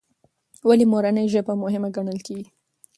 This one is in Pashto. ولې مورنۍ ژبه مهمه ګڼل کېږي؟